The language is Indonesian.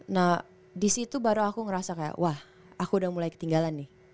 nah disitu baru aku ngerasa kayak wah aku udah mulai ketinggalan nih